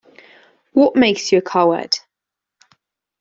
What makes you a coward?